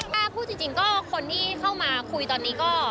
ถ้าพูดจริงก็คนที่เข้ามาคุยตอนนี้ก็